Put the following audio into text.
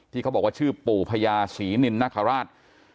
ที่เขาบอกว่าชื่อปู่พยาศรีแนนิขาลาท